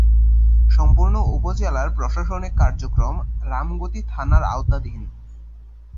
সম্পূর্ণ উপজেলার প্রশাসনিক কার্যক্রম রামগতি থানার আওতাধীন।